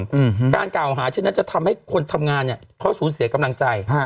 อืมการกล่าวหาเช่นนั้นจะทำให้คนทำงานเนี้ยเขาสูญเสียกำลังใจฮะ